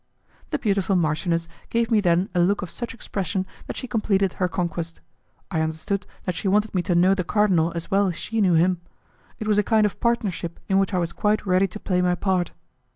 The beautiful marchioness gave me then a look of such expression that she completed her conquest. I understood that she wanted me to know the cardinal as well as she knew him; it was a kind of partnership in which I was quite ready to play my part.